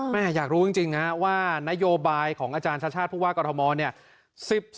อยากรู้จริงว่านโยบายของอาจารย์ชาติชาติผู้ว่ากรทมเนี่ย